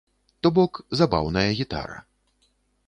То бок, забаўная гітара.